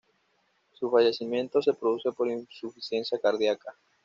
Su fallecimiento se produce por insuficiencia cardíaca.